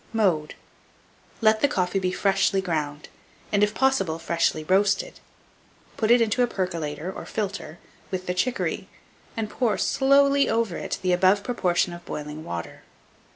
Mode. Let the coffee be freshly ground, and, if possible, freshly roasted; put it into a percolater, or filter, with the chicory, and pour slowly over it the above proportion of boiling water.